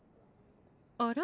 あら？